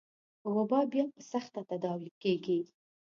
وبا بيا په سخته تداوي کېږي.